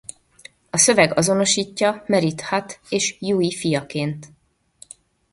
A szöveg azonosítja Merit Hat és Jui fiaként.